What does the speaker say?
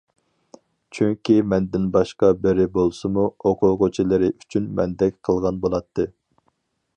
چۈنكى مەندىن باشقا بىرى بولسىمۇ ئوقۇغۇچىلىرى ئۈچۈن مەندەك قىلغان بولاتتى.